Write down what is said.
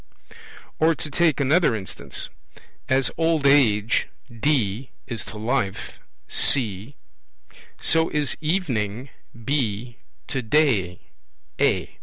Or to take another instance: As old age (D) is to life (C), so is evening (B) to day (A).